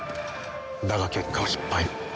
だが結果は失敗。